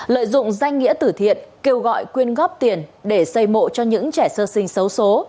lợi dụng danh nghĩa tử thiện kêu gọi quyên góp tiền để xây mộ cho những trẻ sơ sinh xấu xố